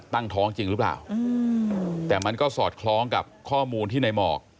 ตั้งท้องจริงหรือเปล่าแต่มันก็สอดคล้องกับข้อมูลที่ในหมอก